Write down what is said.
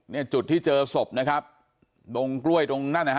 เนี่ยจุดที่เจอศพนะครับดงกล้วยตรงนั้นนะฮะ